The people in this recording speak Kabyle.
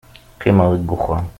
qqimeɣ deg uxxam